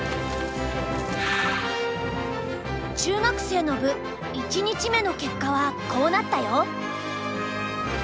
中学生の部１日目の結果はこうなったよ。